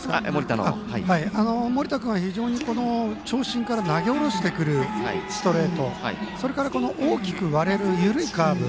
盛田君は非常に長身から投げ下ろしてくるストレート、それから大きく割れる緩いカーブ